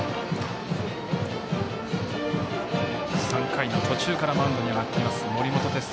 ３回途中からマウンドに上がっている森本哲星。